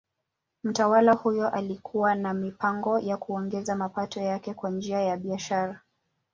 Mtawala huyo alikuwa na mipango ya kuongeza mapato yake kwa njia ya biashara.